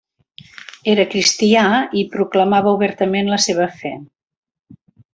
Era cristià i proclamava obertament la seva fe.